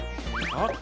あっ！